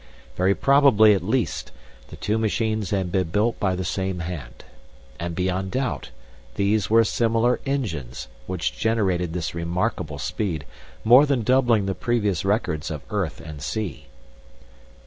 Very probably, at least, the two machines had been built by the same hand. And beyond doubt, these were similar engines, which generated this remarkable speed, more than doubling the previous records of earth and sea.